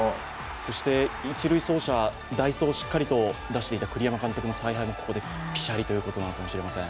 そして、一塁走者、代走をしっかり出していた栗山監督の采配もここで、ぴしゃりということなのかもしれません。